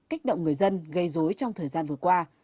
kích động người dân gây dối trong thời gian vừa qua